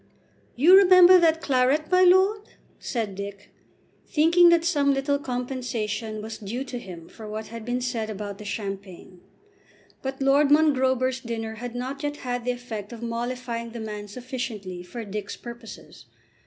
"You remember that claret, my lord?" said Dick, thinking that some little compensation was due to him for what had been said about the champagne. But Lord Mongrober's dinner had not yet had the effect of mollifying the man sufficiently for Dick's purposes.